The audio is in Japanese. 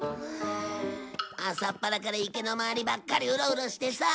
朝っぱらから池の周りばっかりウロウロしてさ。